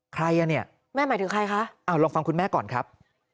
ใครอ่ะเนี่ยแม่หมายถึงใครคะลองฟังคุณแม่ก่อนครับ